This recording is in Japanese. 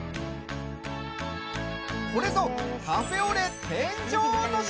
これぞカフェオレ天井落とし！